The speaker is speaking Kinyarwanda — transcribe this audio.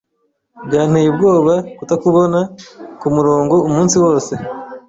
Byanteye ubwoba kutakubona kumurongo umunsi wose